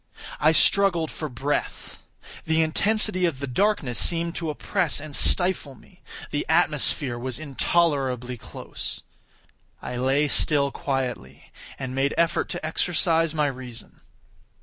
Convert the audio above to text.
I struggled for breath. The intensity of the darkness seemed to oppress and stifle me. The atmosphere was intolerably close. I still lay quietly, and made effort to exercise my reason.